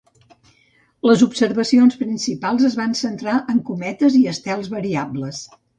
Les observacions principals es van centrar en cometes i estels variables.